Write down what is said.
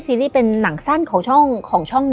และยินดีต้อนรับทุกท่านเข้าสู่เดือนพฤษภาคมครับ